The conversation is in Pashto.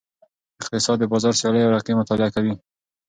اقتصاد د بازار سیالۍ او رقیبت مطالعه کوي.